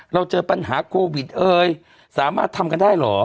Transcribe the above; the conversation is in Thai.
เราเจอปัญหาโควิดเอ้ยสามารถทำกันได้เหรอ